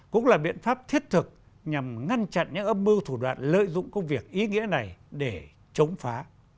cũng là biện pháp thiết thực nhằm ngăn chặn những âm mưu thủ đoạn lợi dụng công việc ý nghĩa này để chống phá